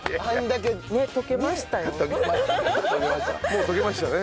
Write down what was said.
もう溶けましたね。